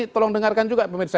tolong dengarkan juga pemirsa